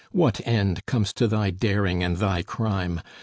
What end comes to thy daring and thy crime?